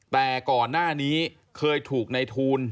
แต่ก่อนหน้านี้เคยถูกในทูล